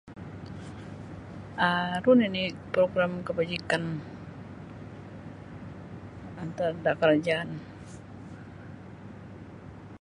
um aru nini progrim kebajikan antad da kerajaan.